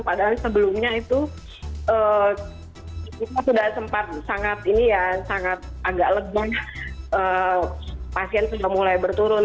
padahal sebelumnya itu sudah sempat sangat agak lega pasien mulai berturun